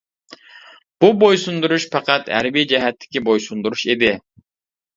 بۇ بويسۇندۇرۇش پەقەت ھەربىي جەھەتتىكى بويسۇندۇرۇش ئىدى.